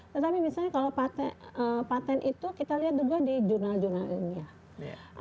tetapi misalnya kalau patent itu kita lihat juga di jurnal jurnal ilmiah